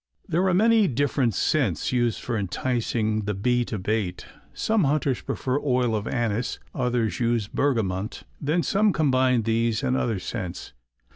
There are many different scents used for enticing the bee to bait. Some hunters prefer oil of anise, others use bergamont; then some combine these or other scents.